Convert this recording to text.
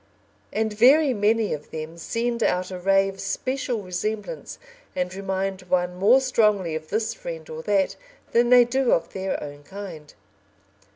And very many of them send out a ray of special resemblance and remind one more strongly of this friend or that, than they do of their own kind.